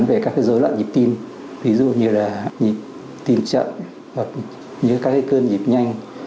đặc biệt là các cái rối loạn nhịp tim ví dụ như là nhịp tim chậm hoặc như các cái cơn nhịp nhanh